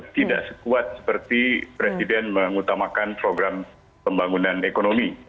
tidak sekuat seperti presiden mengutamakan program pembangunan ekonomi